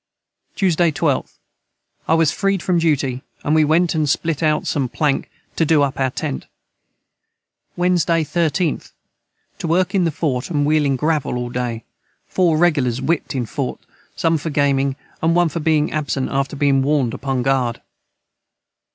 Tuesday 12th. I was freed from duty and we went & split out som plank to du up our tent. Wednesday 13th. To work in the Fort a wheeling gravel all day 4 regulars whipt in Fort som for gaming & one for being absent after being warned upon guard.